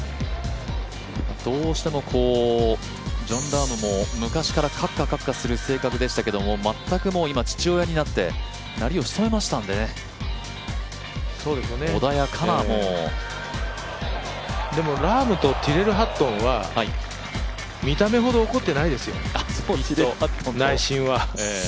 どうしてもジョン・ラームも昔から、カッカカッカする人でしたけど全く今、父親になって、なりを潜めましたんでね、穏やかなでも、ラームとティレル・ハットンは見た目ほど怒ってないですよ、内心は。